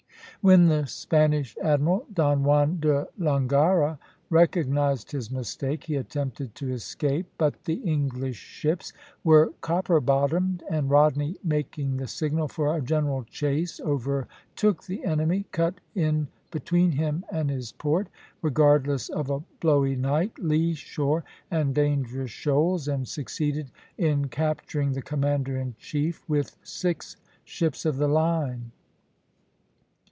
When the Spanish admiral, Don Juan de Langara, recognized his mistake, he attempted to escape; but the English ships were copper bottomed, and Rodney making the signal for a general chase overtook the enemy, cut in between him and his port, regardless of a blowy night, lee shore, and dangerous shoals, and succeeded in capturing the commander in chief with six ships of the line.